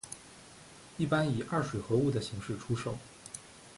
一般以二水合物的形式出售。